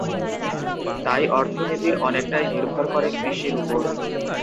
তাই অর্থনীতির অনেকটাই নির্ভর করে কৃষির উপর।